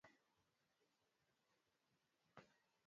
Siwezi kuogelea vizuri.